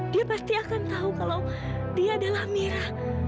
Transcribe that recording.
dia pasti akan tahu kalau dia adalah merah